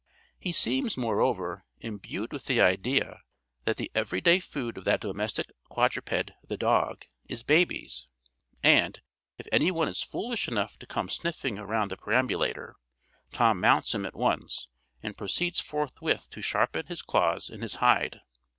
He seems, moreover, imbued with the idea, that the every day food of that domestic quadruped, the dog, is babies, and, if any one is foolish enough to come snuffing round the perambulator, Tom mounts him at once, and proceeds forthwith to sharpen his claws in his hide.